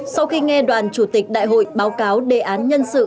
sau khi nghe đoàn chủ tịch đại hội báo cáo đề án nhân sự